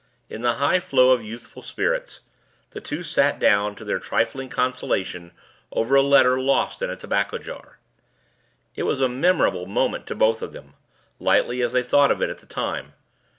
In the high flow of youthful spirits, the two sat down to their trifling consultation over a letter lost in a tobacco jar. It was a memorable moment to both of them, lightly as they thought of it at the time.